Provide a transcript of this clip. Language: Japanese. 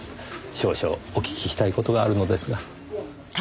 少々お聞きしたい事があるのですが。